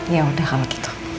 ya udah kalau gitu